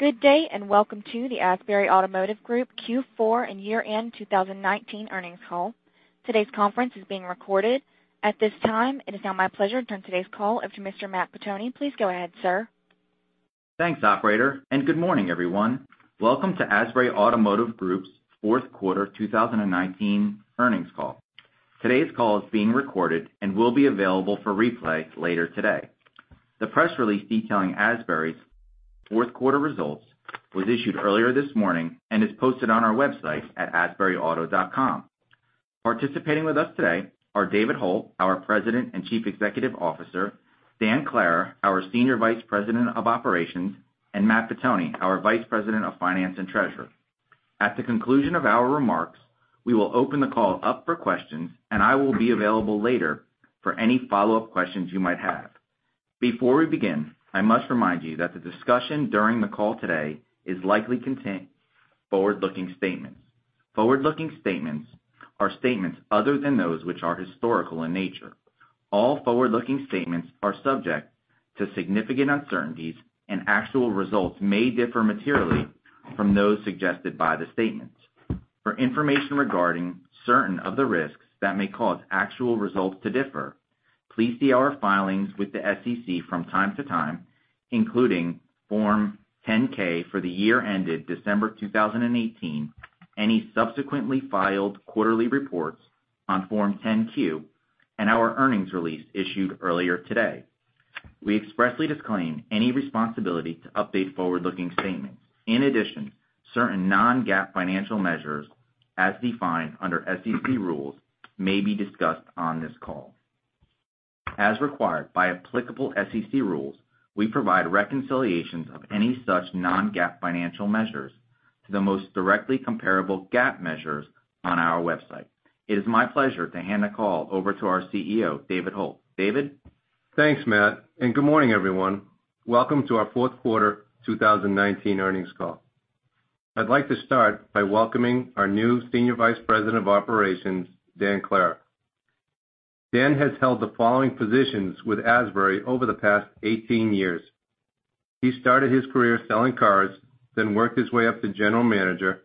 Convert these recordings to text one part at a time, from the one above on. Good day, welcome to the Asbury Automotive Group Q4 and year-end 2019 earnings call. Today's conference is being recorded. At this time, it is now my pleasure to turn today's call over to Mr. Matt Pettoni. Please go ahead, sir. Thanks, operator, and good morning, everyone. Welcome to Asbury Automotive Group's fourth quarter 2019 earnings call. Today's call is being recorded and will be available for replay later today. The press release detailing Asbury's fourth quarter results was issued earlier this morning and is posted on our website at asburyauto.com. Participating with us today are David Hult, our President and Chief Executive Officer, Dan Clara, our Senior Vice President of Operations, and Matt Pettoni, our Vice President of Finance and Treasurer. At the conclusion of our remarks, we will open the call up for questions, and I will be available later for any follow-up questions you might have. Before we begin, I must remind you that the discussion during the call today is likely to contain forward-looking statements. Forward-looking statements are statements other than those which are historical in nature. All forward-looking statements are subject to significant uncertainties, and actual results may differ materially from those suggested by the statements. For information regarding certain of the risks that may cause actual results to differ, please see our filings with the SEC from time to time, including Form 10-K for the year ended December 2018, any subsequently filed quarterly reports on Form 10-Q, and our earnings release issued earlier today. We expressly disclaim any responsibility to update forward-looking statements. In addition, certain non-GAAP financial measures as defined under SEC rules may be discussed on this call. As required by applicable SEC rules, we provide reconciliations of any such non-GAAP financial measures to the most directly comparable GAAP measures on our website. It is my pleasure to hand the call over to our CEO, David Hult. David? Thanks, Matt, and good morning, everyone. Welcome to our 4th quarter 2019 earnings call. I'd like to start by welcoming our new Senior Vice President of Operations, Dan Clara. Dan has held the following positions with Asbury over the past 18 years. He started his career selling cars, then worked his way up to general manager,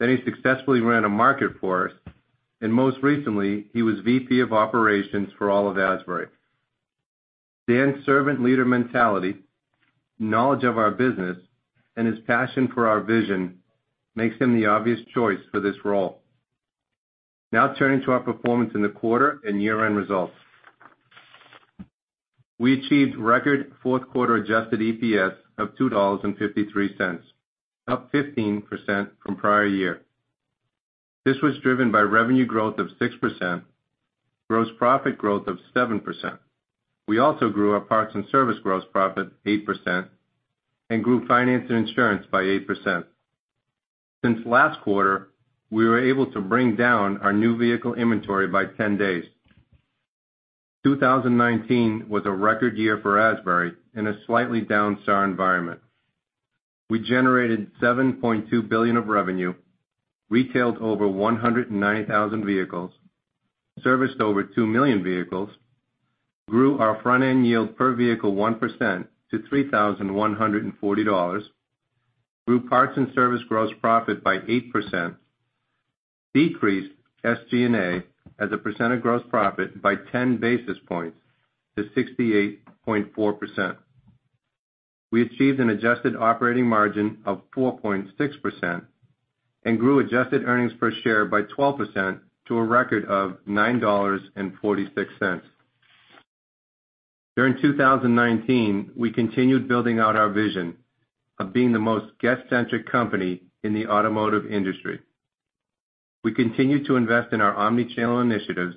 then he successfully ran a market for us, and most recently, he was VP of Operations for all of Asbury. Dan's servant leader mentality, knowledge of our business, and his passion for our vision makes him the obvious choice for this role. Now turning to our performance in the quarter and year-end results. We achieved record 4th quarter adjusted EPS of $2.53, up 15% from prior year. This was driven by revenue growth of 6%, gross profit growth of 7%. We also grew our parts and service gross profit 8% and grew finance and insurance by 8%. Since last quarter, we were able to bring down our new vehicle inventory by 10 days. 2019 was a record year for Asbury in a slightly down SAAR environment. We generated $7.2 billion of revenue, retailed over 190,000 vehicles, serviced over 2 million vehicles, grew our front-end yield per vehicle 1% to $3,140, grew parts and service gross profit by 8%, decreased SG&A as a percent of gross profit by 10 basis points to 68.4%. We achieved an adjusted operating margin of 4.6% and grew adjusted earnings per share by 12% to a record of $9.46. During 2019, we continued building out our vision of being the most guest-centric company in the automotive industry. We continue to invest in our omni-channel initiatives,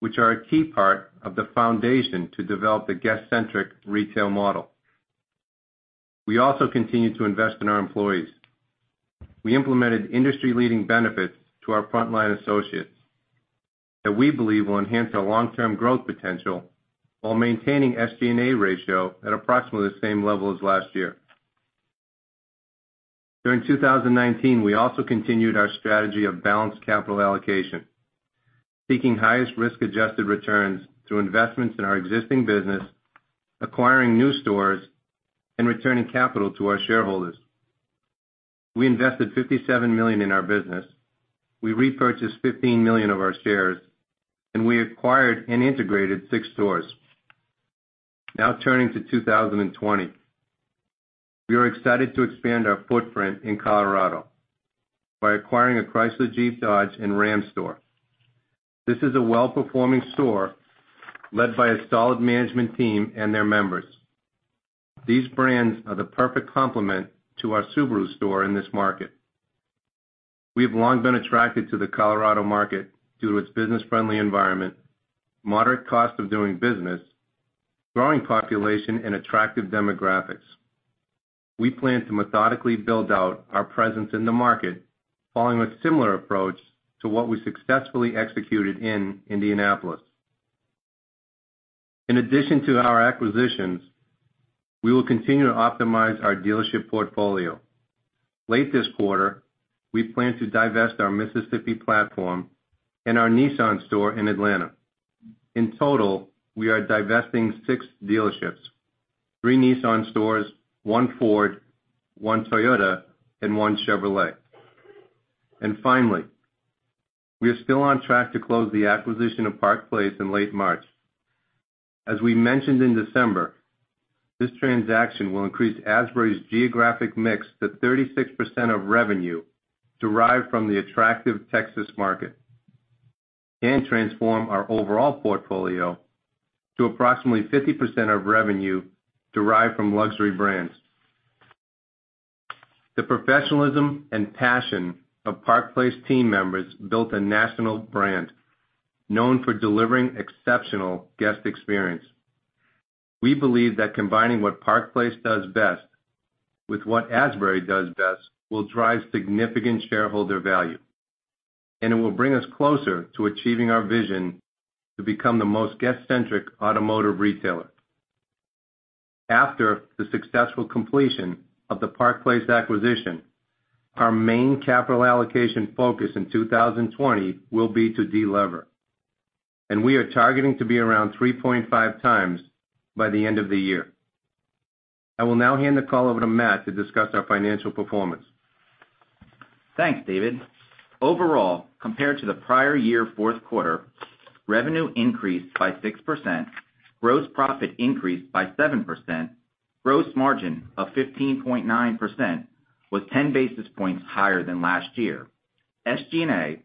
which are a key part of the foundation to develop the guest-centric retail model. We also continue to invest in our employees. We implemented industry-leading benefits to our frontline associates that we believe will enhance our long-term growth potential while maintaining SG&A ratio at approximately the same level as last year. During 2019, we also continued our strategy of balanced capital allocation, seeking highest risk-adjusted returns through investments in our existing business, acquiring new stores, and returning capital to our shareholders. We invested $57 million in our business. We repurchased $15 million of our shares, and we acquired and integrated six stores. Now turning to 2020. We are excited to expand our footprint in Colorado by acquiring a Chrysler Jeep Dodge Ram store. This is a well-performing store led by a solid management team and their members. These brands are the perfect complement to our Subaru store in this market. We have long been attracted to the Colorado market due to its business-friendly environment, moderate cost of doing business, growing population, and attractive demographics. We plan to methodically build out our presence in the market following a similar approach to what we successfully executed in Indianapolis. In addition to our acquisitions, we will continue to optimize our dealership portfolio. Late this quarter, we plan to divest our Mississippi platform and our Nissan store in Atlanta. In total, we are divesting six dealerships, three Nissan stores, one Ford, one Toyota, and one Chevrolet. Finally, we are still on track to close the acquisition of Park Place in late March. As we mentioned in December, this transaction will increase Asbury's geographic mix to 36% of revenue derived from the attractive Texas market and transform our overall portfolio to approximately 50% of revenue derived from luxury brands. The professionalism and passion of Park Place team members built a national brand known for delivering exceptional guest experience. We believe that combining what Park Place does best with what Asbury does best will drive significant shareholder value, and it will bring us closer to achieving our vision to become the most guest-centric automotive retailer. After the successful completion of the Park Place acquisition, our main capital allocation focus in 2020 will be to delever, and we are targeting to be around 3.5x by the end of the year. I will now hand the call over to Matt to discuss our financial performance. Thanks, David. Overall, compared to the prior year fourth quarter, revenue increased by 6%, gross profit increased by 7%, gross margin of 15.9% was 10 basis points higher than last year. SG&A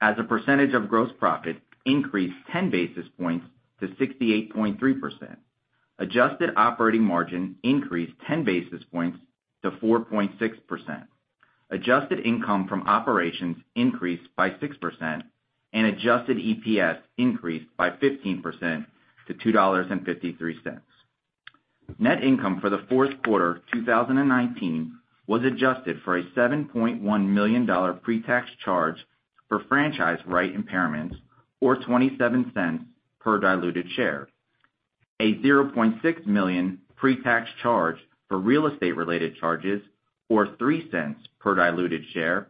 as a percentage of gross profit increased 10 basis points to 68.3%. Adjusted operating margin increased 10 basis points to 4.6%. Adjusted income from operations increased by 6%, and adjusted EPS increased by 15% to $2.53. Net income for the fourth quarter 2019 was adjusted for a $7.1 million pre-tax charge for franchise right impairments or $0.27 per diluted share. A $0.6 million pre-tax charge for real estate-related charges or $0.03 per diluted share,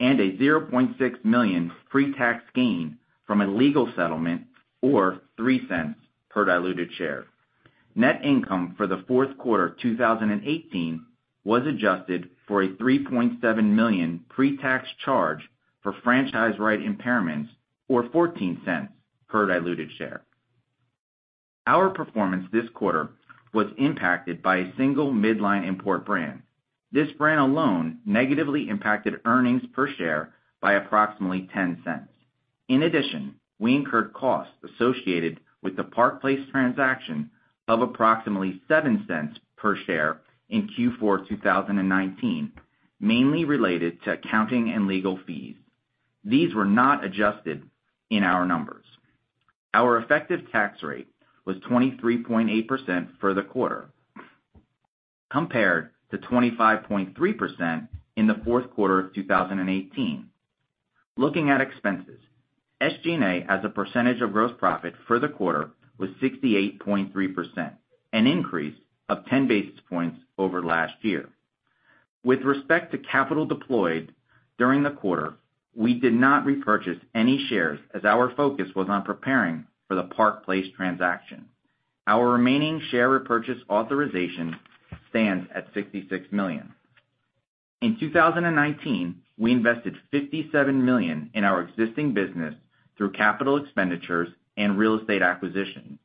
and a $0.6 million pre-tax gain from a legal settlement or $0.03 per diluted share. Net income for the fourth quarter 2018 was adjusted for a $3.7 million pre-tax charge for franchise right impairments or $0.14 per diluted share. Our performance this quarter was impacted by a single midline import brand. This brand alone negatively impacted earnings per share by approximately $0.10. We incurred costs associated with the Park Place transaction of approximately $0.07 per share in Q4 2019, mainly related to accounting and legal fees. These were not adjusted in our numbers. Our effective tax rate was 23.8% for the quarter compared to 25.3% in the fourth quarter of 2018. Looking at expenses, SG&A as a percentage of gross profit for the quarter was 68.3%, an increase of 10 basis points over last year. With respect to capital deployed during the quarter, we did not repurchase any shares as our focus was on preparing for the Park Place transaction. Our remaining share repurchase authorization stands at $66 million. In 2019, we invested $57 million in our existing business through capital expenditures and real estate acquisitions,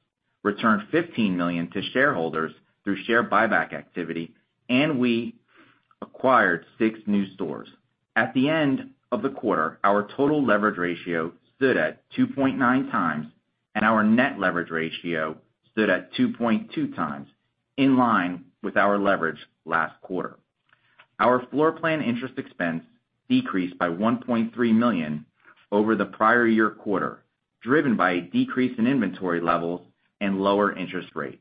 returned $15 million to shareholders through share buyback activity, and we acquired 6 new stores. At the end of the quarter, our total leverage ratio stood at 2.9x, and our net leverage ratio stood at 2.2x in line with our leverage last quarter. Our floor plan interest expense decreased by $1.3 million over the prior year quarter, driven by a decrease in inventory levels and lower interest rates.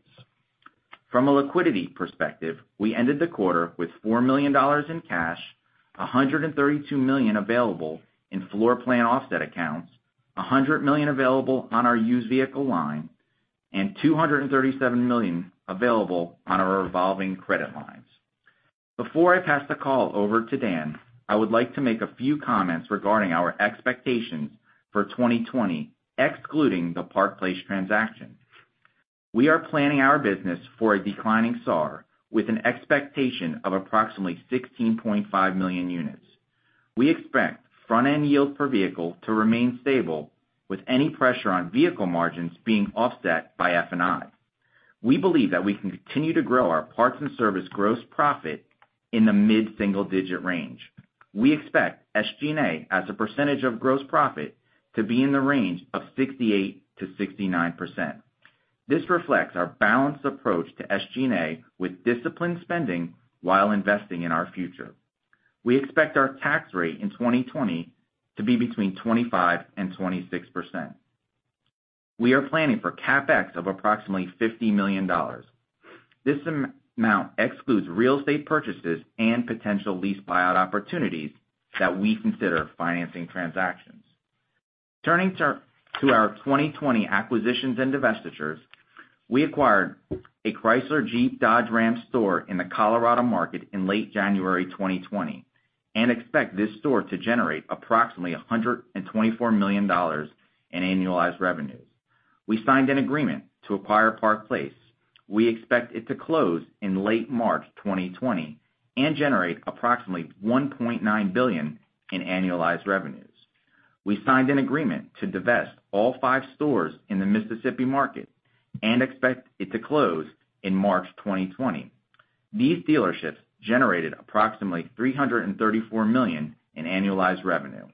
From a liquidity perspective, we ended the quarter with $4 million in cash, $132 million available in floor plan offset accounts, $100 million available on our used vehicle line, and $237 million available on our revolving credit lines. Before I pass the call over to Dan, I would like to make a few comments regarding our expectations for 2020, excluding the Park Place transaction. We are planning our business for a declining SAAR with an expectation of approximately 16.5 million units. We expect front-end yield per vehicle to remain stable with any pressure on vehicle margins being offset by F&I. We believe that we can continue to grow our parts and service gross profit in the mid-single-digit range. We expect SG&A as a percentage of gross profit to be in the range of 68%-69%. This reflects our balanced approach to SG&A with disciplined spending while investing in our future. We expect our tax rate in 2020 to be between 25% and 26%. We are planning for CapEx of approximately $50 million. This amount excludes real estate purchases and potential lease buyout opportunities that we consider financing transactions. Turning to our 2020 acquisitions and divestitures, we acquired a Chrysler Jeep Dodge Ram store in the Colorado market in late January 2020, and expect this store to generate approximately $124 million in annualized revenues. We signed an agreement to acquire Park Place. We expect it to close in late March 2020 and generate approximately $1.9 billion in annualized revenues. We signed an agreement to divest all five stores in the Mississippi market and expect it to close in March 2020. These dealerships generated approximately $334 million in annualized revenue.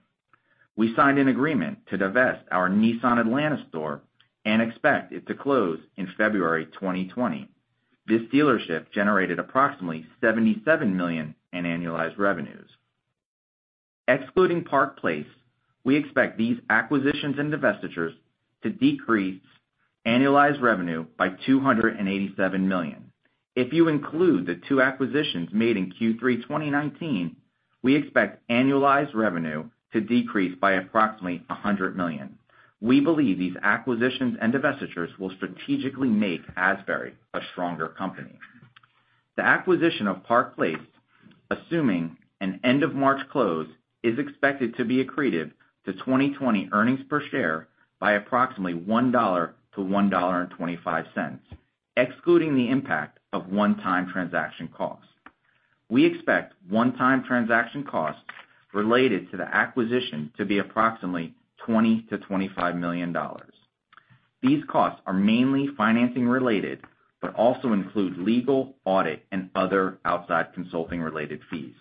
We signed an agreement to divest our Nissan Atlanta store and expect it to close in February 2020. This dealership generated approximately $77 million in annualized revenues. Excluding Park Place, we expect these acquisitions and divestitures to decrease annualized revenue by $287 million. If you include the two acquisitions made in Q3 2019, we expect annualized revenue to decrease by approximately $100 million. We believe these acquisitions and divestitures will strategically make Asbury a stronger company. The acquisition of Park Place, assuming an end of March close, is expected to be accretive to 2020 earnings per share by approximately $1.00-$1.25, excluding the impact of one-time transaction costs. We expect one-time transaction costs related to the acquisition to be approximately $20 million-$25 million. These costs are mainly financing-related, but also include legal, audit, and other outside consulting-related fees.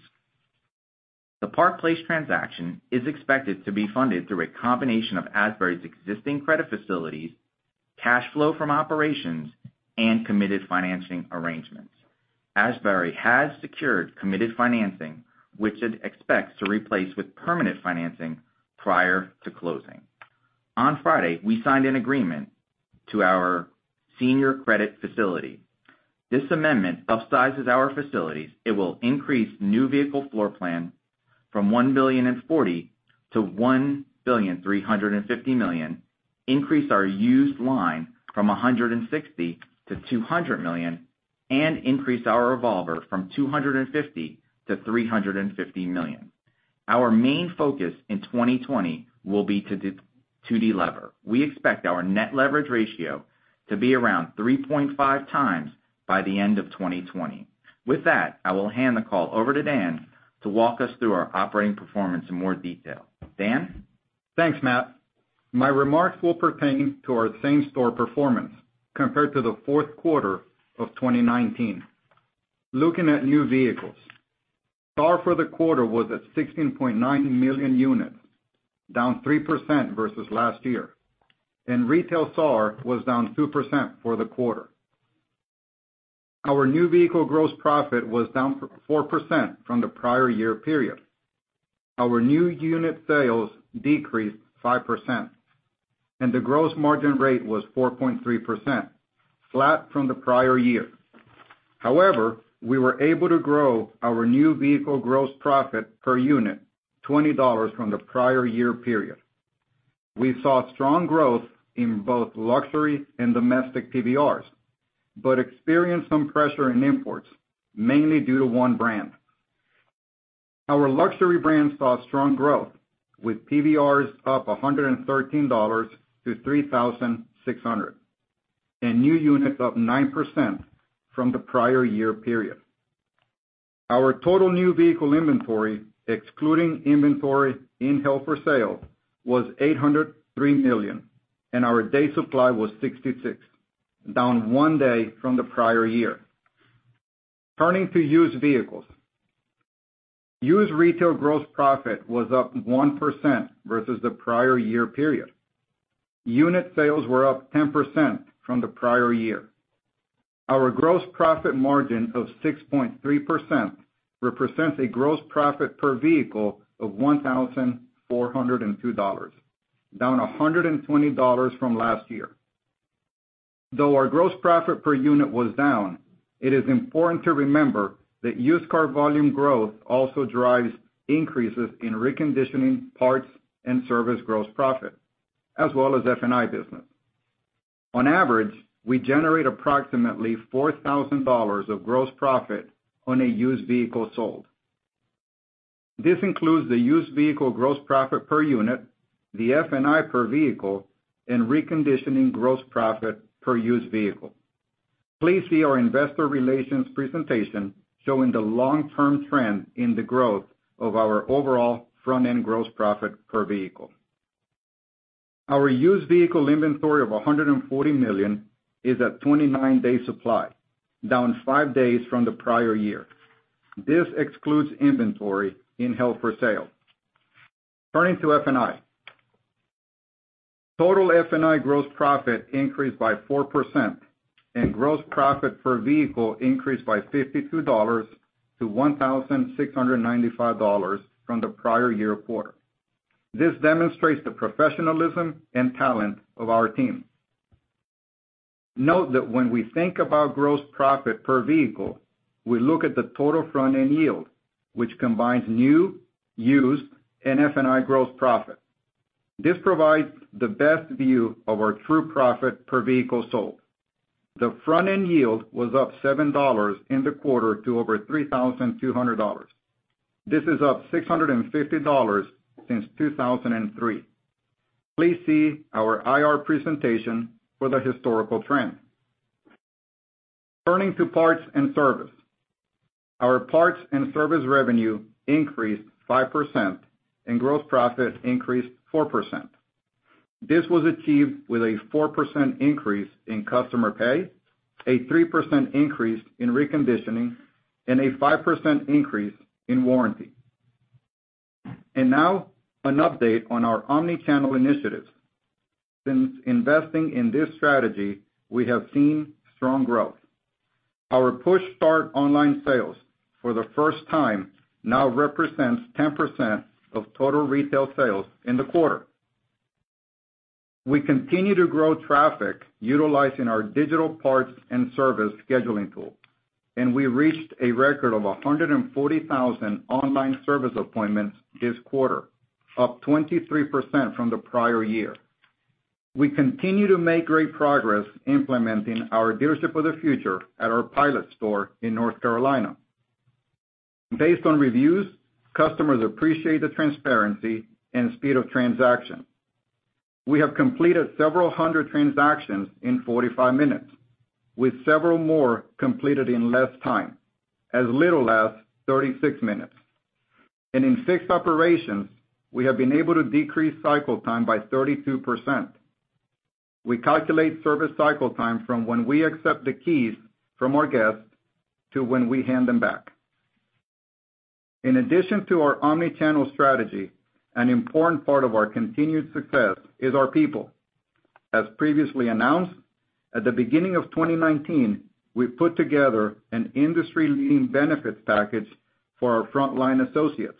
The Park Place transaction is expected to be funded through a combination of Asbury's existing credit facilities, cash flow from operations, and committed financing arrangements. Asbury has secured committed financing, which it expects to replace with permanent financing prior to closing. On Friday, we signed an agreement to our senior credit facility. This amendment upsizes our facilities. It will increase new vehicle floor plan from $1.04 billion-$1.35 billion, increase our used line from $160 million-$200 million, and increase our revolver from $250 million-$350 million. Our main focus in 2020 will be to delever. We expect our net leverage ratio to be around 3.5x by the end of 2020. With that, I will hand the call over to Dan to walk us through our operating performance in more detail. Dan? Thanks, Matt. My remarks will pertain to our same-store performance compared to the fourth quarter of 2019. Looking at new vehicles. SAAR for the quarter was at 16.9 million units, down 3% versus last year, and retail SAAR was down 2% for the quarter. Our new vehicle gross profit was down 4% from the prior year period. Our new unit sales decreased 5%, and the gross margin rate was 4.3%, flat from the prior year. However, we were able to grow our new vehicle gross profit per unit $20 from the prior year period. We saw strong growth in both luxury and domestic PVRs, but experienced some pressure in imports, mainly due to one brand. Our luxury brand saw strong growth, with PVRs up $113 to $3,600 and new units up 9% from the prior year period. Our total new vehicle inventory, excluding inventory in held for sale, was $803 million, and our day supply was 66, down one day from the prior year. Turning to used vehicles. Used retail gross profit was up 1% versus the prior year period. Unit sales were up 10% from the prior year. Our gross profit margin of 6.3% represents a gross profit per vehicle of $1,402, down $120 from last year. Though our gross profit per unit was down, it is important to remember that used car volume growth also drives increases in reconditioning parts and service gross profit, as well as F&I business. On average, we generate approximately $4,000 of gross profit on a used vehicle sold. This includes the used vehicle gross profit per unit, the F&I per vehicle, and reconditioning gross profit per used vehicle. Please see our investor relations presentation showing the long-term trend in the growth of our overall front-end gross profit per vehicle. Our used vehicle inventory of $140 million is at 29-day supply, down five days from the prior year. This excludes inventory in held for sale. Turning to F&I. Total F&I gross profit increased by 4%, and gross profit per vehicle increased by $52 to $1,695 from the prior year quarter. This demonstrates the professionalism and talent of our team. Note that when we think about gross profit per vehicle, we look at the total front-end yield, which combines new, used, and F&I gross profit. This provides the best view of our true profit per vehicle sold. The front-end yield was up $7 in the quarter to over $3,200. This is up $650 since 2003. Please see our IR presentation for the historical trend. Turning to parts and service. Our parts and service revenue increased 5%, and gross profit increased 4%. This was achieved with a 4% increase in customer pay, a 3% increase in reconditioning, and a 5% increase in warranty. Now an update on our omni-channel initiatives. Since investing in this strategy, we have seen strong growth. Our PushStart online sales for the first time now represent 10% of total retail sales in the quarter. We continue to grow traffic utilizing our digital parts and service scheduling tool, and we reached a record of 140,000 online service appointments this quarter, up 23% from the prior year. We continue to make great progress implementing our dealership of the future at our pilot store in North Carolina. Based on reviews, customers appreciate the transparency and speed of transaction. We have completed several hundred transactions in 45 minutes, with several more completed in less time, as little as 36 minutes. In fixed operations, we have been able to decrease cycle time by 32%. We calculate service cycle time from when we accept the keys from our guests to when we hand them back. In addition to our omni-channel strategy, an important part of our continued success is our people. As previously announced, at the beginning of 2019, we put together an industry-leading benefits package for our frontline associates,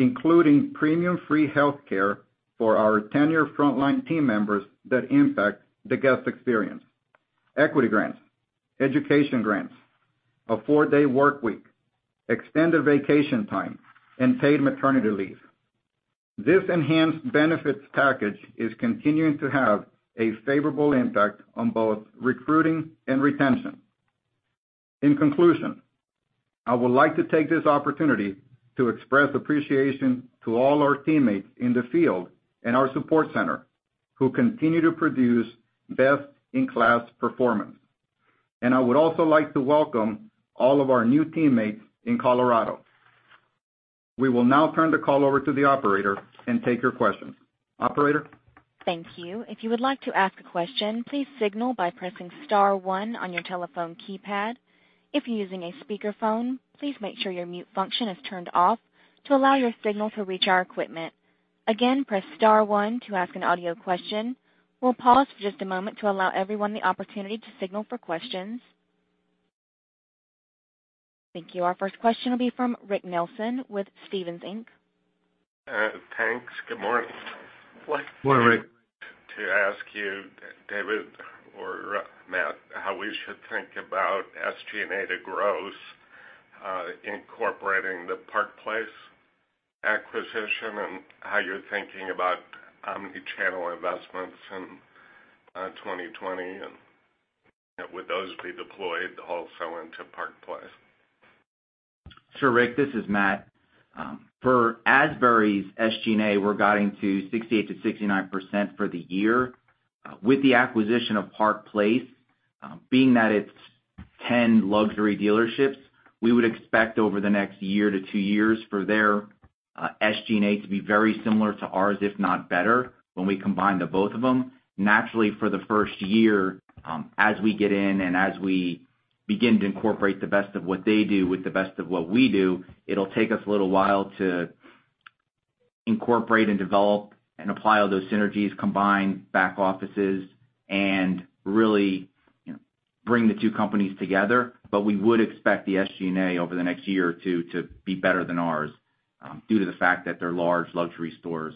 including premium free healthcare for our 10-year frontline team members that impact the guest experience, equity grants, education grants, a four-day work week, extended vacation time, and paid maternity leave. This enhanced benefits package is continuing to have a favorable impact on both recruiting and retention. In conclusion, I would like to take this opportunity to express appreciation to all our teammates in the field and our support center who continue to produce best-in-class performance. I would also like to welcome all of our new teammates in Colorado. We will now turn the call over to the operator and take your questions. Operator? Thank you. If you would like to ask a question, please signal by pressing star one on your telephone keypad. If you're using a speakerphone, please make sure your mute function is turned off to allow your signal to reach our equipment. Again, press star one to ask an audio question. We'll pause for just a moment to allow everyone the opportunity to signal for questions. Thank you. Our first question will be from Rick Nelson with Stephens Inc. Thanks. Good morning. Morning, Rick. To ask you, David or Matt, how we should think about SG&A to gross, incorporating the Park Place acquisition, and how you're thinking about omni-channel investments in 2020, and would those be deployed also into Park Place? Sure, Rick, this is Matt. For Asbury's SG&A, we're guiding to 68%-69% for the year. With the acquisition of Park Place, being that it's 10 luxury dealerships, we would expect over the next year to two years for their SG&A to be very similar to ours, if not better, when we combine the both of them. Naturally, for the first year, as we get in and as we begin to incorporate the best of what they do with the best of what we do, it'll take us a little while to incorporate and develop and apply all those synergies, combine back offices, and really, you know, bring the two companies together. We would expect the SG&A over the next year or two to be better than ours, due to the fact that they're large luxury stores.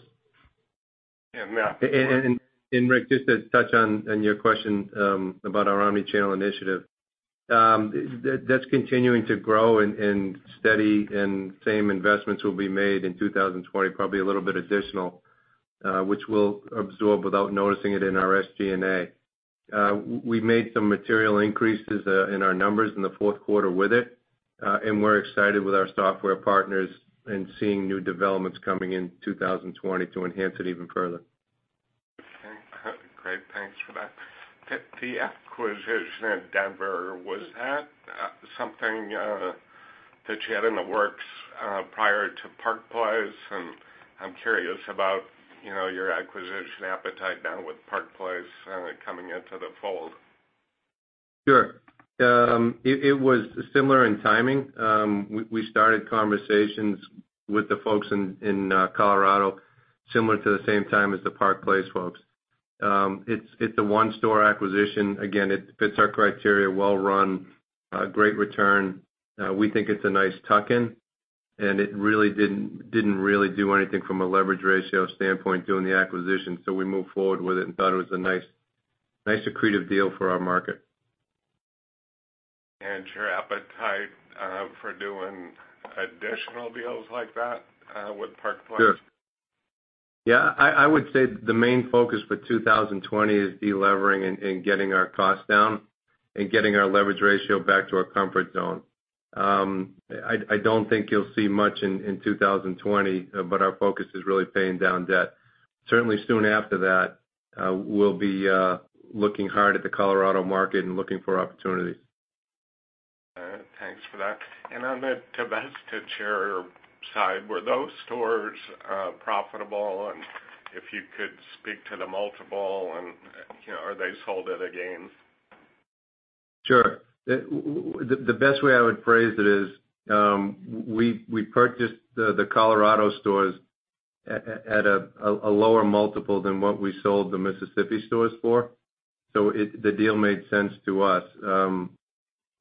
And Matt- Rick, just to touch on your question about our omni-channel initiative. That's continuing to grow and steady. Same investments will be made in 2020, probably a little bit additional, which we'll absorb without noticing it in our SG&A. We made some material increases in our numbers in the 4th quarter with it. We're excited with our software partners and seeing new developments coming in 2020 to enhance it even further. Okay, great. Thanks for that. The, the acquisition in Denver, was that something that you had in the works prior to Park Place? I'm curious about, you know, your acquisition appetite now with Park Place coming into the fold. Sure. It was similar in timing. We started conversations with the folks in Colorado similar to the same time as the Park Place folks. It's a one-store acquisition. Again, it fits our criteria, well run, great return. We think it's a nice tuck-in. It really didn't really do anything from a leverage ratio standpoint doing the acquisition, so we moved forward with it and thought it was a nice accretive deal for our market. Your appetite for doing additional deals like that with Park Place? Sure. Yeah, I would say the main focus for 2020 is delevering and getting our costs down and getting our leverage ratio back to our comfort zone. I don't think you'll see much in 2020, but our focus is really paying down debt. Certainly soon after that, we'll be looking hard at the Colorado market and looking for opportunities. All right. Thanks for that. On the divestiture side, were those stores profitable? If you could speak to the multiple and, you know, are they sold at a gain? Sure. The best way I would phrase it is, we purchased the Colorado stores at a lower multiple than what we sold the Mississippi stores for, the deal made sense to us.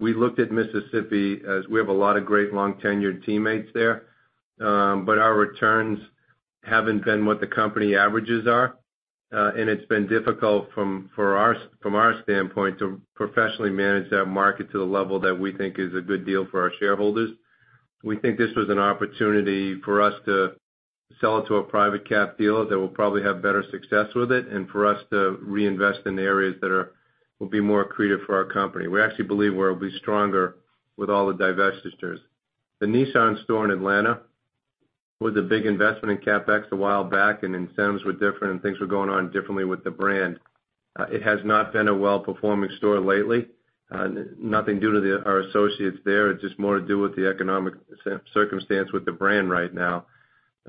We looked at Mississippi as we have a lot of great long-tenured teammates there, our returns haven't been what the company averages are. It's been difficult from our standpoint to professionally manage that market to the level that we think is a good deal for our shareholders. We think this was an opportunity for us to sell it to a private cap dealer that will probably have better success with it and for us to reinvest in areas that will be more accretive for our company. We actually believe we'll be stronger with all the divestitures. The Nissan store in Atlanta was a big investment in CapEx a while back. Incentives were different and things were going on differently with the brand. It has not been a well-performing store lately. Nothing due to our associates there. It's just more to do with the economic circumstance with the brand right now.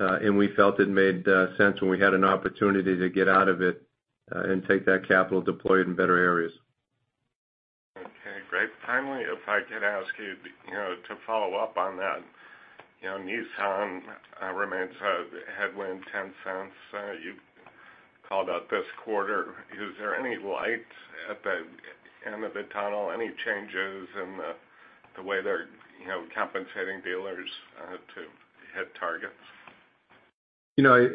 We felt it made sense when we had an opportunity to get out of it and take that capital deployed in better areas. Okay, great. Finally, if I could ask you know, to follow up on that. You know Nissan remains a headwind $0.10 you called out this quarter. Is there any light at the end of the tunnel? Any changes in the way they're, you know, compensating dealers to hit targets? You know,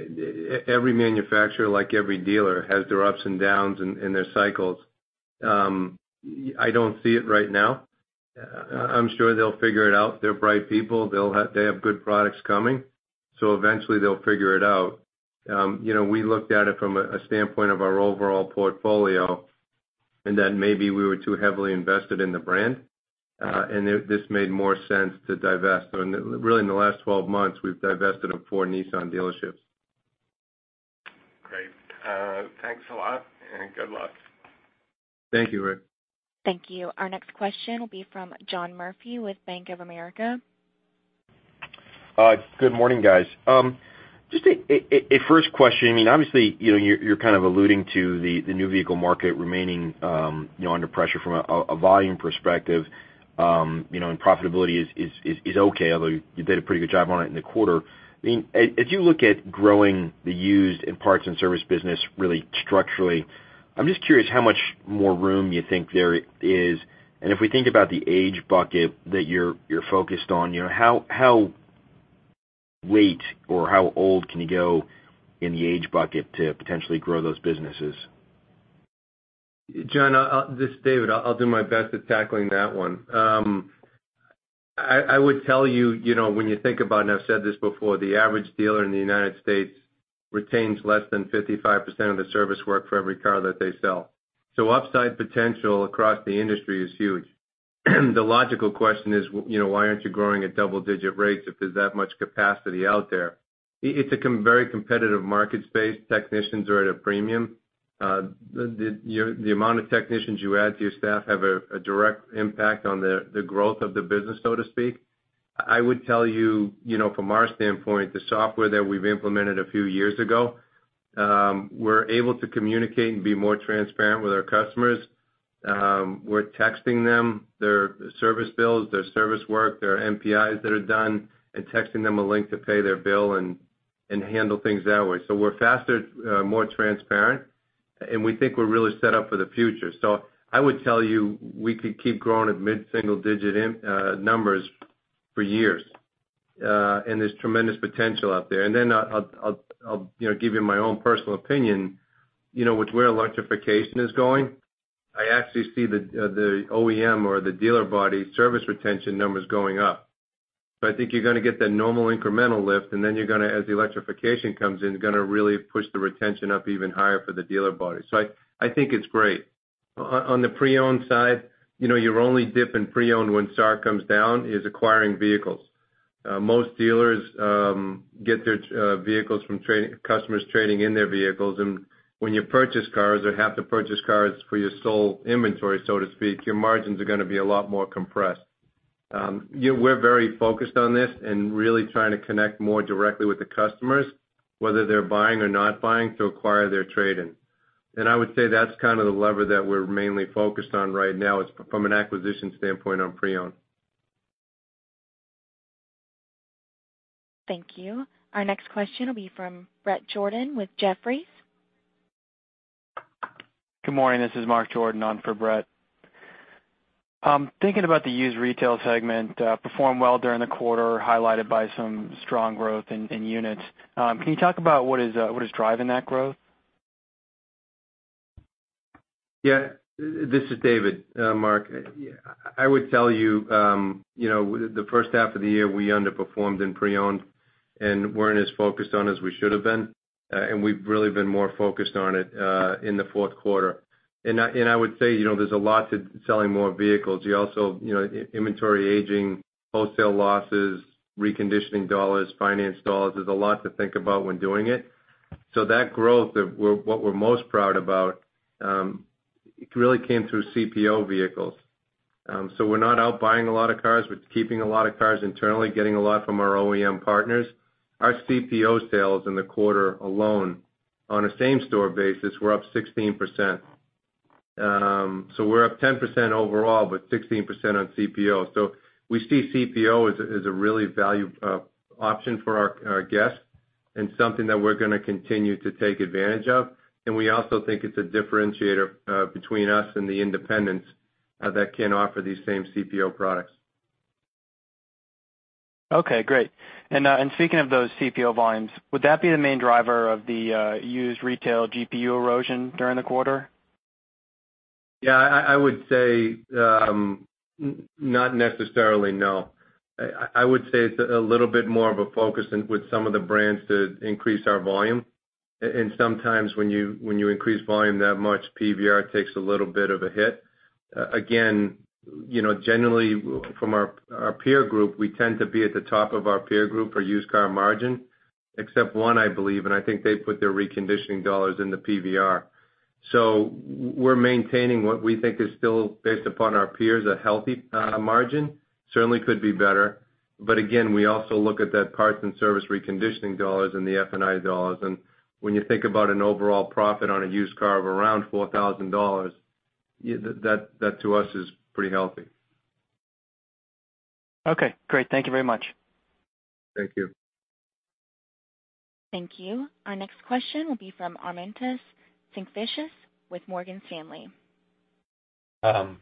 every manufacturer, like every dealer, has their ups and downs in their cycles. I don't see it right now. I'm sure they'll figure it out. They're bright people. They have good products coming, eventually they'll figure it out. You know, we looked at it from a standpoint of our overall portfolio and that maybe we were too heavily invested in the brand, it just made more sense to divest. Really, in the last 12 months, we've divested of four Nissan dealerships. Great. Thanks a lot and good luck. Thank you, Rick. Thank you. Our next question will be from John Murphy with Bank of America. Good morning, guys. Just a first question. Obviously, you're kind of alluding to the new vehicle market remaining under pressure from a volume perspective, and profitability is okay, although you did a pretty good job on it in the quarter. As you look at growing the used and parts and service business really structurally, I'm just curious how much more room you think there is. If we think about the age bucket that you're focused on, how late or how old can you go in the age bucket to potentially grow those businesses? John, this is David. I'll do my best at tackling that one. I would tell you know, when you think about, and I've said this before, the average dealer in the United States retains less than 55% of the service work for every car that they sell. Upside potential across the industry is huge. The logical question is, you know, why aren't you growing at double-digit rates if there's that much capacity out there? It's a very competitive market space. Technicians are at a premium. The amount of technicians you add to your staff have a direct impact on the growth of the business, so to speak. I would tell you know, from our standpoint, the software that we've implemented a few years ago, we're able to communicate and be more transparent with our customers. We're texting them their service bills, their service work, their MPIs that are done, and texting them a link to pay their bill and handle things that way. We're faster, more transparent, and we think we're really set up for the future. I would tell you, we could keep growing at mid-single digit in numbers for years. There's tremendous potential out there. I'll, you know, give you my own personal opinion. You know, with where electrification is going, I actually see the OEM or the dealer body service retention numbers going up. I think you're gonna get the normal incremental lift and then you're gonna, as the electrification comes in, you're gonna really push the retention up even higher for the dealer body. I think it's great. On the pre-owned side, you know, your only dip in pre-owned when SAAR comes down is acquiring vehicles. Most dealers get their vehicles from trading, customers trading in their vehicles. When you purchase cars or have to purchase cars for your sole inventory, so to speak, your margins are gonna be a lot more compressed. Yeah, we're very focused on this and really trying to connect more directly with the customers, whether they're buying or not buying, to acquire their trade-in. I would say that's kind of the lever that we're mainly focused on right now is from an acquisition standpoint on pre-owned. Thank you. Our next question will be from Bret Jordan with Jefferies. Good morning, this is Mark Jordan on for Bret. Thinking about the used retail segment, performed well during the quarter, highlighted by some strong growth in units. Can you talk about what is driving that growth? Yeah. This is David. Mark, I would tell you know, the first half of the year, we underperformed in pre-owned and weren't as focused on as we should have been. We've really been more focused on it in the fourth quarter. I would say, you know, there's a lot to selling more vehicles. You also, you know, inventory aging, wholesale losses, reconditioning dollars, finance dollars, there's a lot to think about when doing it. That growth of what we're most proud about, it really came through CPO vehicles. We're not out buying a lot of cars. We're keeping a lot of cars internally, getting a lot from our OEM partners. Our CPO sales in the quarter alone on a same-store basis were up 16%. We're up 10% overall, but 16% on CPO. We see CPO as a really value option for our guests and something that we're gonna continue to take advantage of. We also think it's a differentiator between us and the independents that can offer these same CPO products. Okay, great. Speaking of those CPO volumes, would that be the main driver of the used retail GPU erosion during the quarter? Yeah, I would say, not necessarily, no. I would say it's a little bit more of a focus in, with some of the brands to increase our volume. and sometimes when you increase volume that much, PVR takes a little bit of a hit. again, you know, generally from our peer group, we tend to be at the top of our peer group for used car margin, except one, I believe, and I think they put their reconditioning dollars in the PVR. we're maintaining what we think is still based upon our peers, a healthy margin. Certainly could be better. again, we also look at that parts and service reconditioning dollars and the F&I dollars. when you think about an overall profit on a used car of around $4,000, that to us is pretty healthy. Okay, great. Thank you very much. Thank you. Thank you. Our next question will be from Armintas Sinkevicius with Morgan Stanley.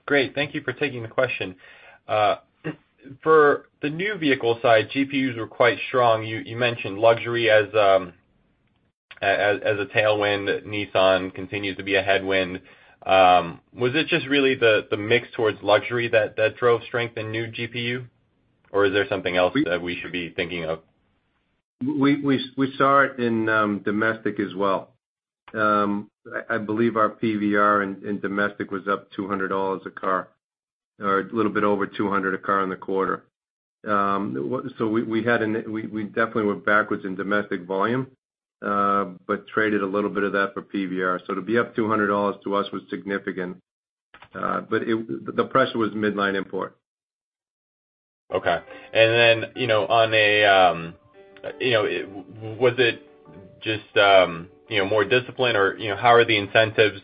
Great. Thank you for taking the question. For the new vehicle side, GPUs were quite strong. You mentioned luxury as a tailwind. Nissan continues to be a headwind. Was it just really the mix towards luxury that drove strength in new GPU, or is there something else that we should be thinking of? We saw it in domestic as well. I believe our PVR in domestic was up $200 a car, or a little bit over $200 a car in the quarter. We definitely were backwards in domestic volume but traded a little bit of that for PVR. To be up $200 to us was significant. The pressure was midline import. Okay. Then, you know, on a, you know, was it just, you know, more discipline or, you know, how are the incentives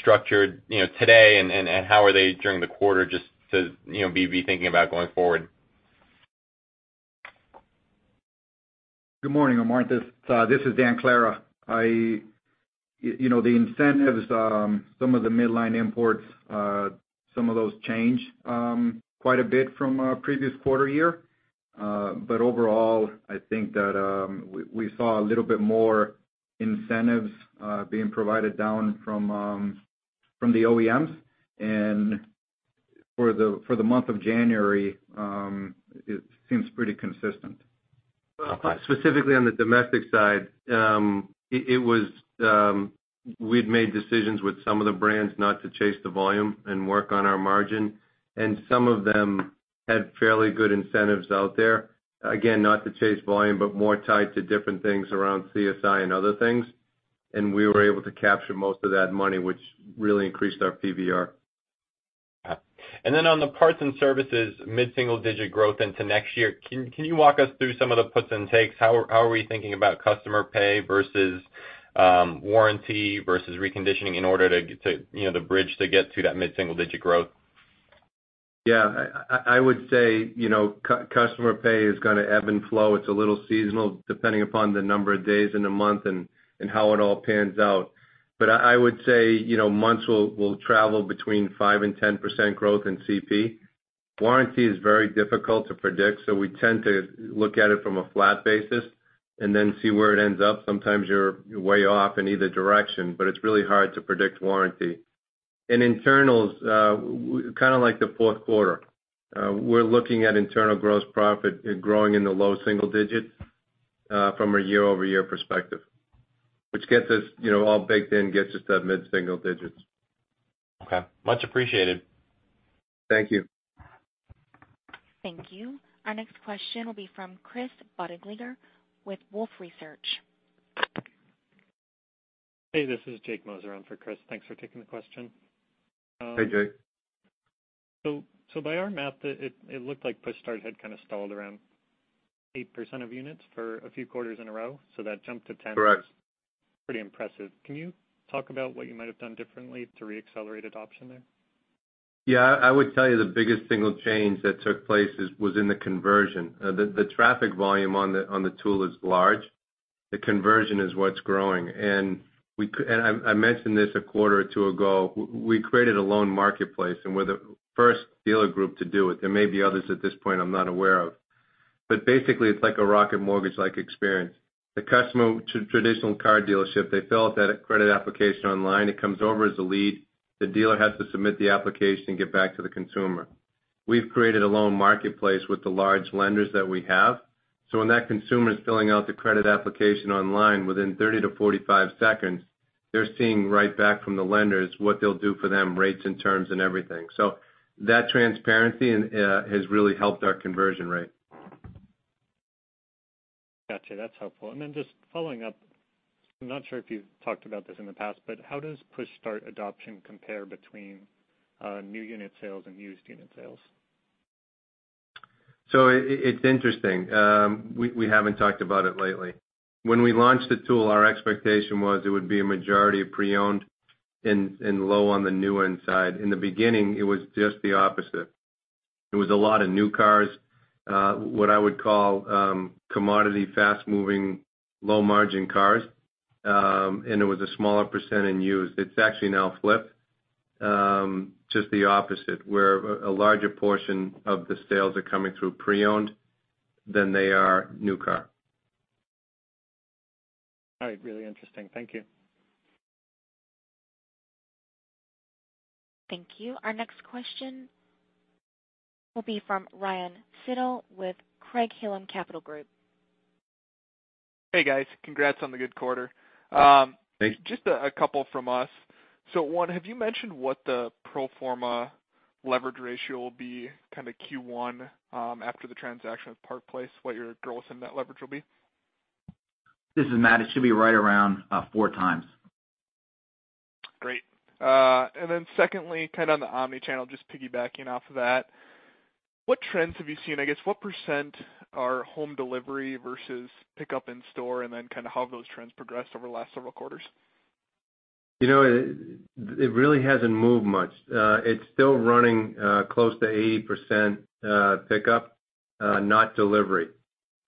structured, you know, today and how are they during the quarter just to, you know, be thinking about going forward? Good morning, Armintas. This is Dan Clara. You know, the incentives, some of the midline imports, some of those change quite a bit from our previous quarter year. Overall, I think that we saw a little bit more incentives being provided down from the OEMs. For the month of January, it seems pretty consistent. Okay. Specifically on the domestic side, it was, we'd made decisions with some of the brands not to chase the volume and work on our margin. Some of them had fairly good incentives out there, again, not to chase volume, but more tied to different things around CSI and other things. We were able to capture most of that money, which really increased our PVR. Yeah. On the parts and services mid-single digit growth into next year, can you walk us through some of the puts and takes? How are we thinking about customer pay versus warranty versus reconditioning in order to get to, you know, the bridge to get to that mid-single digit growth? Yeah, I would say, you know, customer pay is going to ebb and flow. It's a little seasonal, depending upon the number of days in a month and how it all pans out. I would say, you know, months will travel between 5% and 10% growth in CP. Warranty is very difficult to predict, so we tend to look at it from a flat basis and then see where it ends up. Sometimes you're way off in either direction, but it's really hard to predict warranty. In internals, kind of like the fourth quarter, we're looking at internal gross profit growing in the low single digits from a year-over-year perspective, which gets us, you know, all baked in, gets us to mid-single digits. Okay, much appreciated. Thank you. Thank you. Our next question will be from Chris Bottiglieri with Wolfe Research. Hey, this is Jake Moser on for Chris. Thanks for taking the question. Hey, Jake. By our math, it looked like PushStart had kind of stalled around 8% of units for a few quarters in a row. That jump to 10%. Correct. Pretty impressive. Can you talk about what you might have done differently to reaccelerate adoption there? Yeah, I would tell you the biggest single change that took place was in the conversion. The traffic volume on the tool is large. The conversion is what's growing. I mentioned this a quarter or two ago, we created a loan marketplace, and we're the first dealer group to do it. There may be others at this point I'm not aware of. Basically, it's like a Rocket Mortgage-like experience. The customer to traditional car dealership, they fill out that credit application online, it comes over as a lead, the dealer has to submit the application and get back to the consumer. We've created a loan marketplace with the large lenders that we have, so when that consumer's filling out the credit application online, within 30-45 seconds, they're seeing right back from the lenders what they'll do for them, rates and terms and everything. That transparency has really helped our conversion rate. Gotcha, that's helpful. Just following up, I'm not sure if you've talked about this in the past, but how does PushStart adoption compare between new unit sales and used unit sales? It's interesting. We haven't talked about it lately. When we launched the tool, our expectation was it would be a majority of pre-owned and low on the new end side. In the beginning, it was just the opposite. It was a lot of new cars, what I would call commodity fast-moving, low margin cars, and it was a smaller percent in used. It's actually now flipped, just the opposite, where a larger portion of the sales are coming through pre-owned than they are new car. All right, really interesting. Thank you. Thank you. Our next question will be from Ryan Sigdahl with Craig-Hallum Capital Group. Hey, guys. Congrats on the good quarter. Thanks. Just a couple from us. One, have you mentioned what the pro forma leverage ratio will be kinda Q1 after the transaction with Park Place, what your gross and net leverage will be? This is Matt. It should be right around 4x. Great. Secondly, kinda on the omni-channel, just piggybacking off of that, what trends have you seen? I guess, what percent are home delivery versus pickup in store? Kinda how have those trends progressed over the last several quarters? You know, it really hasn't moved much. It's still running close to 80% pickup, not delivery.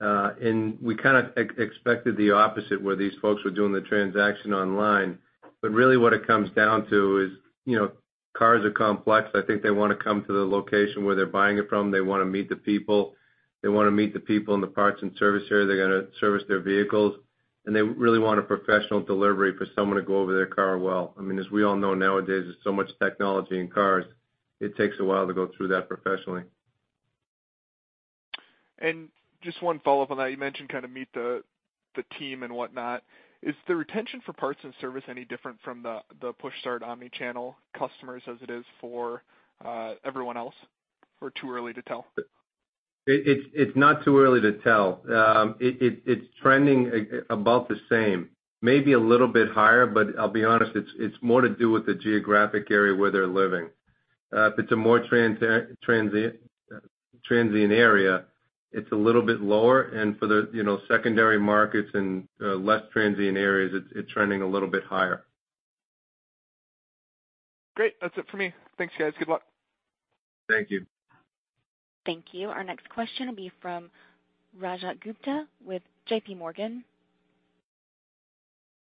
We kind of expected the opposite, where these folks were doing the transaction online. Really what it comes down to is, you know, cars are complex. I think they wanna come to the location where they're buying it from. They wanna meet the people. They wanna meet the people in the parts and service area. They're gonna service their vehicles, and they really want a professional delivery for someone to go over their car well. I mean, as we all know nowadays, there's so much technology in cars, it takes a while to go through that professionally. Just one follow-up on that. You mentioned kind of meet the team and whatnot. Is the retention for parts and service any different from the PushStart omni-channel customers as it is for everyone else, or too early to tell? It's not too early to tell. It's trending about the same. Maybe a little bit higher, but I'll be honest, it's more to do with the geographic area where they're living. If it's a more transient area, it's a little bit lower. For the, you know, secondary markets and less transient areas, it's trending a little bit higher. Great. That's it for me. Thanks, guys. Good luck. Thank you. Thank you. Our next question will be from Rajat Gupta with JPMorgan.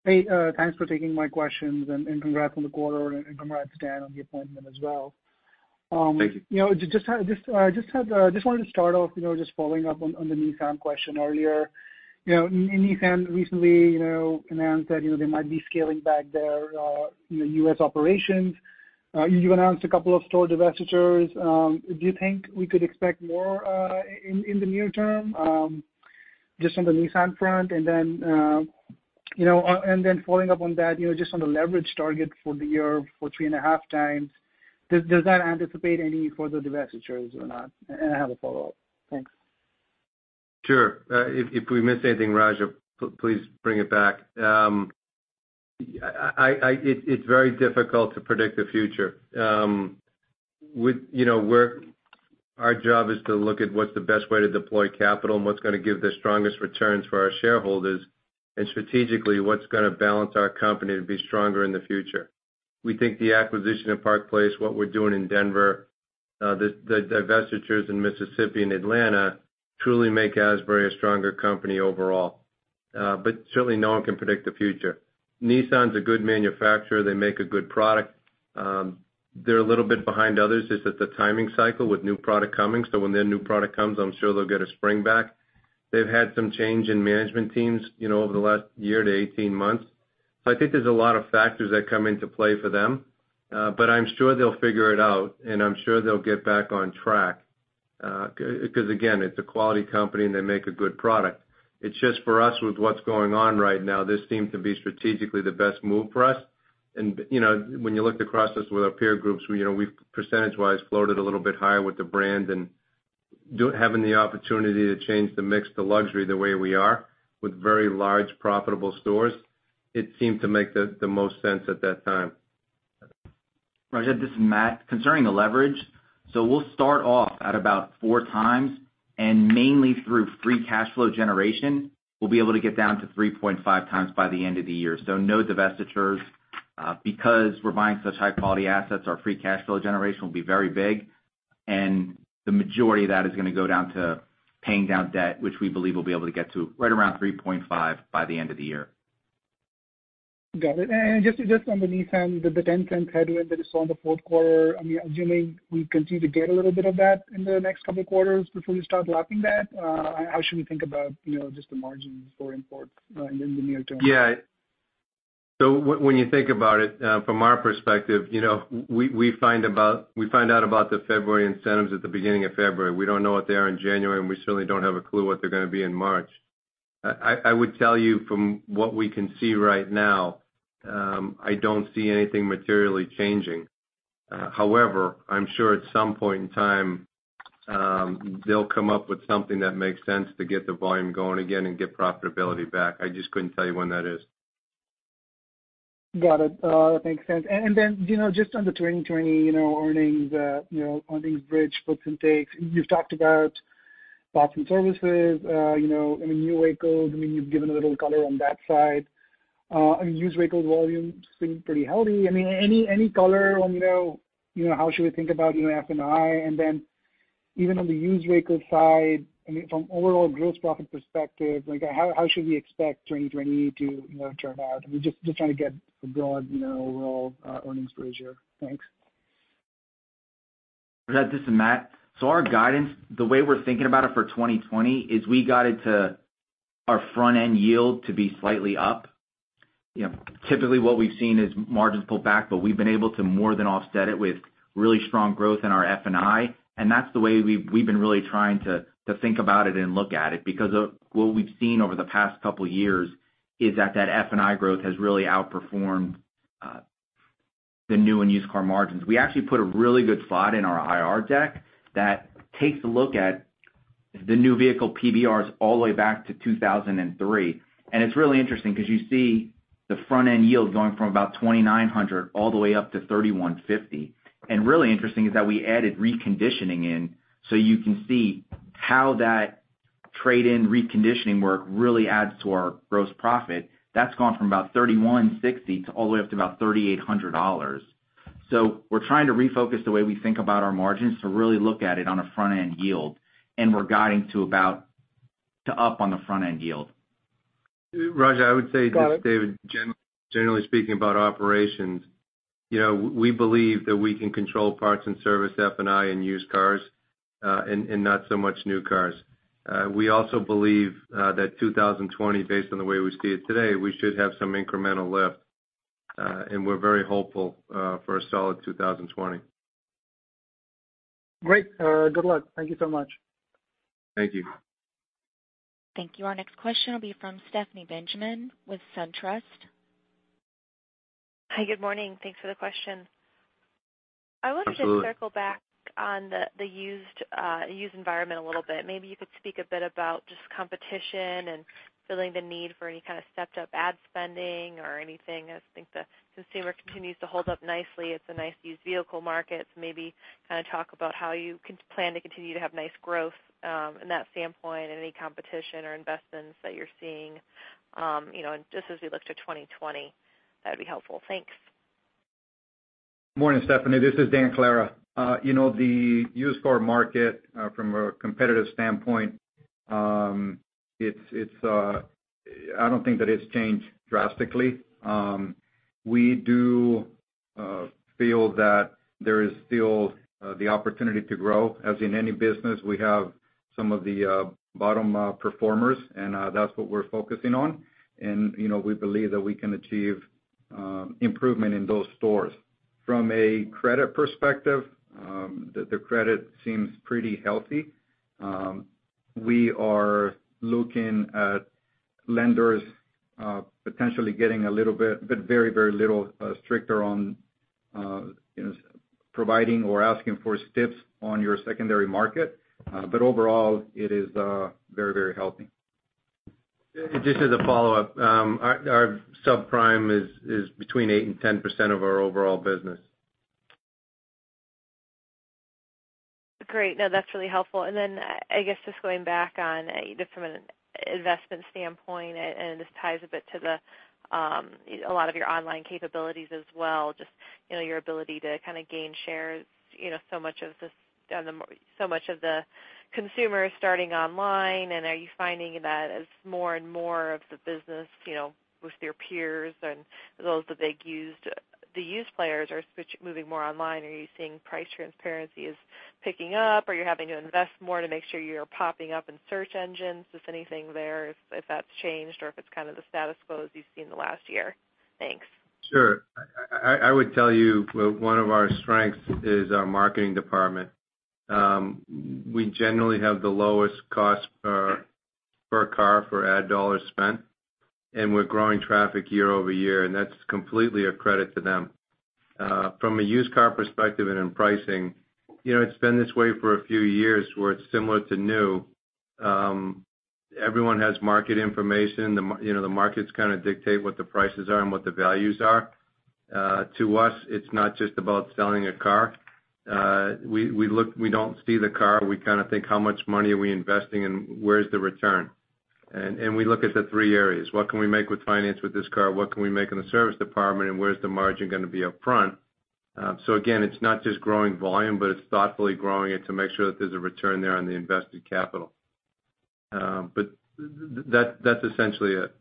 Hey, thanks for taking my questions, and congrats on the quarter and congrats to Dan on the appointment as well. Thank you. You know, just wanted to start off, you know, just following up on the Nissan question earlier. You know, Nissan recently, you know, announced that, you know, they might be scaling back their, you know, U.S. operations. You announced a couple of store divestitures. Do you think we could expect more in the near term, just on the Nissan front? Following up on that, you know, just on the leverage target for the year for 3.5x, does that anticipate any further divestitures or not? I have a follow-up. Thanks. Sure. If we missed anything, Raj, please bring it back. It's very difficult to predict the future. We, you know, our job is to look at what's the best way to deploy capital and what's gonna give the strongest returns for our shareholders, and strategically, what's gonna balance our company to be stronger in the future. We think the acquisition of Park Place, what we're doing in Denver, the divestitures in Mississippi and Atlanta truly make Asbury a stronger company overall. Certainly no one can predict the future. Nissan's a good manufacturer. They make a good product. They're a little bit behind others just at the timing cycle with new product coming. When their new product comes, I'm sure they'll get a spring back. They've had some change in management teams, you know, over the last year to 18 months. I think there's a lot of factors that come into play for them, but I'm sure they'll figure it out, and I'm sure they'll get back on track. Because again, it's a quality company and they make a good product. It's just for us with what's going on right now, this seemed to be strategically the best move for us. You know, when you looked across us with our peer groups, we, you know, we've percentage-wise floated a little bit higher with the brand. Having the opportunity to change the mix to luxury the way we are with very large profitable stores, it seemed to make the most sense at that time. Rajat, this is Matt. Concerning the leverage, we'll start off at about 4x, and mainly through free cash flow generation, we'll be able to get down to 3.5x by the end of the year. No divestitures. Because we're buying such high-quality assets, our free cash flow generation will be very big, and the majority of that is gonna go down to paying down debt, which we believe we'll be able to get to right around 3.5x by the end of the year. Got it. Just on the Nissan, the $0.10 headwind that you saw in the fourth quarter, I mean, assuming we continue to get a little bit of that in the next couple quarters before we start lapping that, how should we think about, you know, just the margin for imports in the near term? Yeah. When you think about it, from our perspective, you know, we find out about the February incentives at the beginning of February. We don't know what they are in January, and we certainly don't have a clue what they're gonna be in March. I would tell you from what we can see right now, I don't see anything materially changing. However, I'm sure at some point in time, they'll come up with something that makes sense to get the volume going again and get profitability back. I just couldn't tell you when that is. Got it. That makes sense. You know, just on the 2020, you know, earnings, you know, earnings bridge puts and takes, you've talked about parts and services, you know, I mean, new vehicle. I mean, you've given a little color on that side. I mean, used vehicle volumes seem pretty healthy. I mean, any color on, you know, how should we think about, you know, F&I? Even on the used vehicle side, I mean, from overall gross profit perspective, like how should we expect 2020 to, you know, turn out? I'm just trying to get a broad, you know, overall earnings bridge here. Thanks. Rajat, this is Matt. Our guidance, the way we're thinking about it for 2020 is we got it to our front-end yield to be slightly up. You know, typically what we've seen is margins pull back, but we've been able to more than offset it with really strong growth in our F&I, and that's the way we've been really trying to think about it and look at it because of what we've seen over the past two years is that F&I growth has really outperformed the new and used car margins. We actually put a really good slide in our IR deck that takes a look at the new vehicle PVRs all the way back to 2003. It's really interesting because you see the front-end yield going from about $2,900 all the way up to $3,150. Really interesting is that we added reconditioning in, so you can see how that trade-in reconditioning work really adds to our gross profit. That's gone from about $3,160 to all the way up to about $3,800. We're trying to refocus the way we think about our margins to really look at it on a front-end yield, and we're guiding up on the front-end yield. Rajat, I would say- Got it. This is David. Generally speaking, about operations, you know, we believe that we can control parts and service F&I and used cars, and not so much new cars. We also believe that 2020, based on the way we see it today, we should have some incremental lift. We're very hopeful for a solid 2020. Great. Good luck. Thank you so much. Thank you. Thank you. Our next question will be from Stephanie Benjamin with SunTrust. Hi, good morning. Thanks for the question. Hi, Stephanie. I wanted to circle back on the used environment a little bit. Maybe you could speak a bit about just competition and filling the need for any kind of stepped up ad spending or anything. I think the consumer continues to hold up nicely. It's a nice used vehicle market. Maybe kinda talk about how you plan to continue to have nice growth in that standpoint, and any competition or investments that you're seeing, you know, just as we look to 2020, that would be helpful. Thanks. Morning, Stephanie. This is Dan Clara. You know, the used car market, from a competitive standpoint, it's, I don't think that it's changed drastically. We do feel that there is still the opportunity to grow. As in any business, we have some of the bottom performers, that's what we're focusing on. You know, we believe that we can achieve improvement in those stores. From a credit perspective, the credit seems pretty healthy. We are looking at lenders, potentially getting a little bit, but very little, stricter on, you know, providing or asking for stipulations on your secondary market. Overall, it is very healthy. Just as a follow-up, our subprime is between 8% and 10% of our overall business. Great. No, that's really helpful. I guess just going back on, just from an investment standpoint, and this ties a bit to the, a lot of your online capabilities as well, just, you know, your ability to kind of gain shares, you know, so much of the consumer starting online, are you finding that as more and more of the business, you know, with your peers and those of the big used, the used players are moving more online, are you seeing price transparency is picking up, or you're having to invest more to make sure you're popping up in search engines? Just anything there if that's changed or if it's kind of the status quo as you've seen in the last year. Thanks. Sure. I would tell you one of our strengths is our marketing department. We generally have the lowest cost per car for ad dollars spent, and we're growing traffic year-over-year, and that's completely a credit to them. From a used car perspective and in pricing, you know, it's been this way for a few years where it's similar to new. Everyone has market information. The markets kind of dictate what the prices are and what the values are. To us, it's not just about selling a car. We look. We don't see the car. We kind of think how much money are we investing, and where is the return? We look at the three areas. What can we make with finance with this car? What can we make in the service department, where's the margin gonna be up front? Again, it's not just growing volume, but it's thoughtfully growing it to make sure that there's a return there on the invested capital. That's essentially it.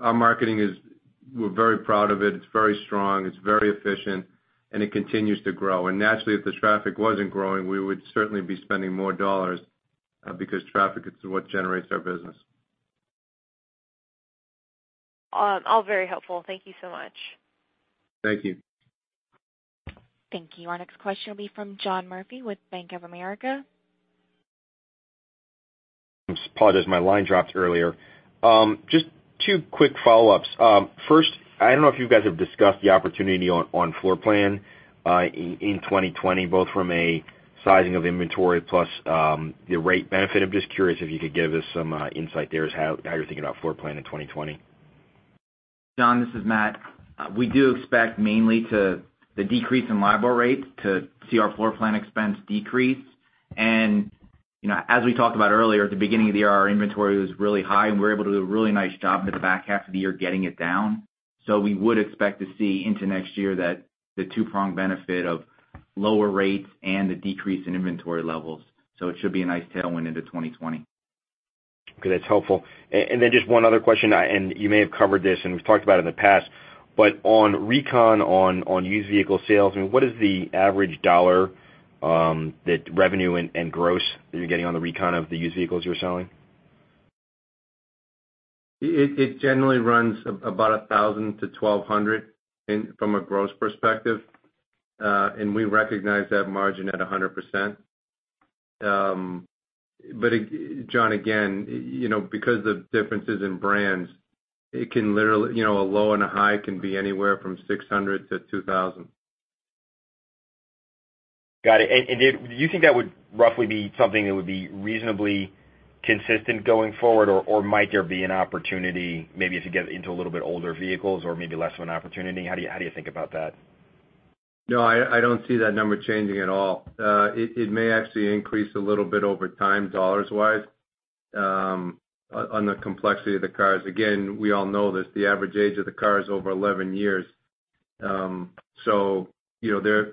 Our marketing. We're very proud of it. It's very strong, it's very efficient, and it continues to grow. Naturally, if the traffic wasn't growing, we would certainly be spending more dollars because traffic is what generates our business. All very helpful. Thank you so much. Thank you. Thank you. Our next question will be from John Murphy with Bank of America. I apologize, my line dropped earlier. Just two quick follow-ups. First, I don't know if you guys have discussed the opportunity on floor plan, in 2020, both from a sizing of inventory plus, the rate benefit. I'm just curious if you could give us some insight there as how you're thinking about floor plan in 2020. John, this is Matt. We do expect mainly to the decrease in LIBOR rates to see our floor plan expense decrease. You know, as we talked about earlier, at the beginning of the year, our inventory was really high, and we were able to do a really nice job in the back half of the year getting it down. We would expect to see into next year that the two-prong benefit of lower rates and the decrease in inventory levels. It should be a nice tailwind into 2020. Okay, that's helpful. Just one other question. You may have covered this, and we've talked about it in the past, but on recon on used vehicle sales, I mean, what is the average dollar that revenue and gross that you're getting on the recon of the used vehicles you're selling? It generally runs about $1,000-$1,200 in, from a gross perspective. We recognize that margin at 100%. John, again, you know, because of differences in brands, it can literally, you know, a low and a high can be anywhere from $600-$2,000. Got it. You think that would roughly be something that would be reasonably consistent going forward? Might there be an opportunity maybe if you get into a little bit older vehicles or maybe less of an opportunity? How do you think about that? No, I don't see that number changing at all. It may actually increase a little bit over time, dollar-wise, on the complexity of the cars. Again, we all know that the average age of the car is over 11 years. So, you know,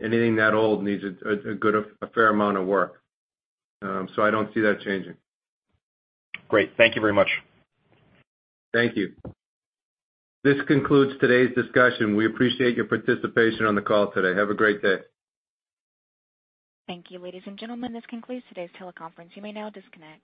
anything that old needs a good, a fair amount of work. So, I don't see that changing. Great. Thank you very much. Thank you. This concludes today's discussion. We appreciate your participation on the call today. Have a great day. Thank you, ladies and gentlemen. This concludes today's teleconference. You may now disconnect.